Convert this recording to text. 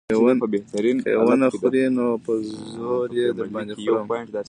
که يې ونه خورې نو په زور يې در باندې خورم.